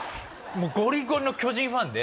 ゴリゴリの巨人ファンで。